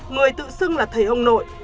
người tự xưng là thầy ông nội